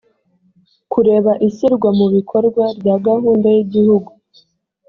kureba ishyirwa mu bikorwa rya gahunda y igihugu